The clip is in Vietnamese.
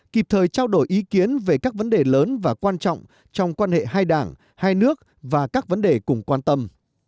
kịp thời trao đổi ý kiến về các vấn đề lớn và quan trọng trong quan hệ hai đảng hai nước và các vấn đề cùng quan tâm